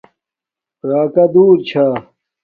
راکا دور چھا